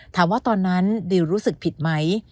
ตอนนั้นดิวรู้สึกผิดไหม